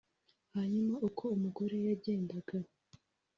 Hanyuma uko umugore yagendaga